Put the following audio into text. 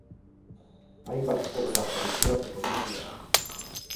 Hainbat zerga kalkulatzeko oinarria da.